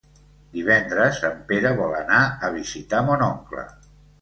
Divendres en Pere vol anar a visitar mon oncle.